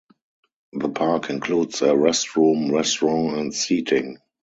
The park includes a restroom, restaurant and seating.